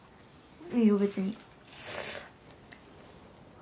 いいよ別に。